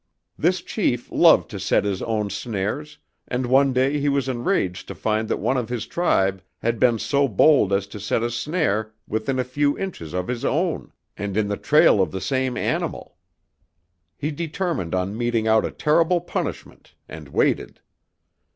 This chief loved to set his own snares, and one day he was enraged to find that one of his tribe had been so bold as to set a snare within a few inches of his own, and in the trail of the same animal. He determined on meting out a terrible punishment, and waited.